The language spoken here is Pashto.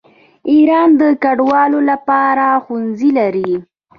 ایران د کډوالو لپاره ښوونځي لري.